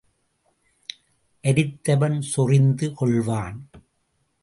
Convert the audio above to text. அரித்தவன் சொறிந்து கொள்வான்.